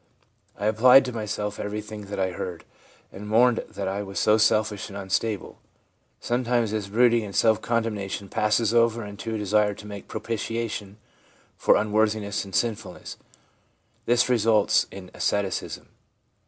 I applied to myself everything that I heard, and mourned that I was so selfish and unstable/ Sometimes this brooding and self condemnation passes over into a desire to make propitiation for unworthiness and sin fulness ; this results in asceticism.